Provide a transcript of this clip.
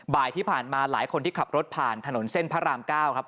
บ่ายที่ผ่านมาหลายคนที่ขับรถผ่านถนนเส้นพระราม๙ครับ